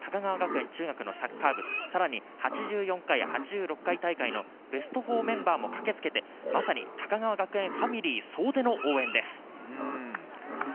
女子サッカー部や、高川学園中学のサッカー部、さらに８４回、８６回大会のベスト４メンバーも駆けつけて、まさに高川学園ファミリー総出の応援です。